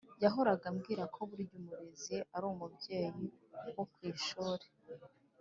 yahoraga ambwira ko burya umurezi ari umubyeyi wo ku ishuri,